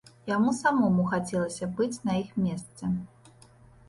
Яму самому хацелася быць на іх месцы.